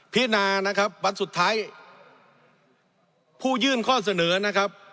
พินานะครับวันสุดท้ายผู้ยื่นข้อเสนอนะครับ